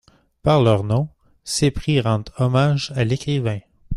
Par leur nom, ces prix rendent hommage à l'écrivain.